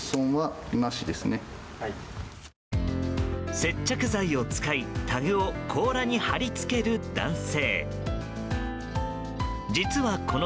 接着剤を使いタグを甲羅に貼り付ける男性。